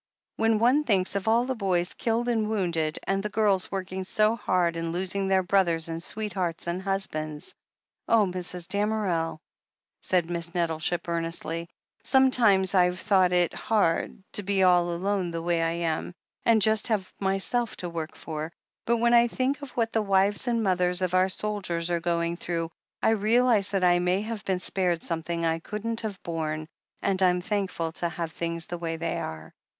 When one thinks of all the boys killed and wounded, and the girls working so hard, and losing their brothers and sweethearts and husbands — oh, Mrs. Damerel," said Miss Nettleship earnestly, "sometimes I've thought it hard to be all alone the way I am, and just have myself to work for — ^but when I think of what the wives and mothers of our soldiers are going through, I realize that I may have been spared something I couldn't have borne, and I'm thank ful to have things the way they are."